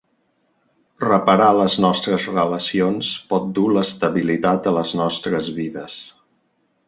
Reparar les nostres relacions pot dur l'estabilitat a les nostres vides.